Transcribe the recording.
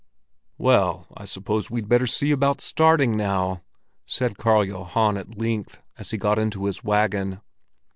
"Well, I suppose we'd better see about starting now," said Karl Johan at length, as he got into his wagon.